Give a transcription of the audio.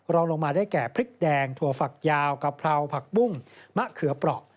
รองลงมาได้แก่พริกแดงถั่วฝักยาวกะเพราผักบุ้งมะเขือเปราะ